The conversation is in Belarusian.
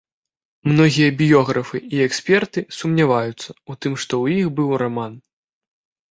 Многія біёграфы і эксперты сумняваюцца ў тым, што ў іх быў раман.